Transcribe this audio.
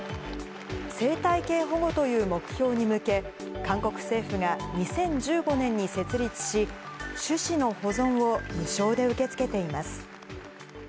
生態系保護という目標に向け、韓国政府が２０１５年に設立し、種子の保存を無償で受け付けています。